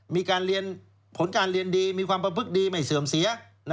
มีผลการเรียนดีมีความประพุทธิภาพดีไม่เสื่อมเสีย